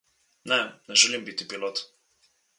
Ne, ne želim biti pilot.